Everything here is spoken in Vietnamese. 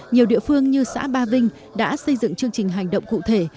nhiều địa phương như xã ba vinh đã xây dựng chương trình hành động cụ thể